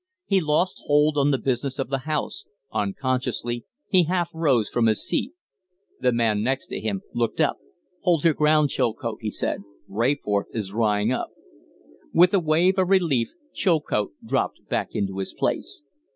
He lost hold on the business of the House; unconsciously he half rose from his seat. The man next him looked up. "Hold your ground, Chilcote," he said. "Rayforth is drying up." With a wave of relief Chilcote dropped back into his place.